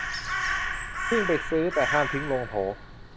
วิ่งไปซื้อ แต่ห้ามทิ้งลงโถ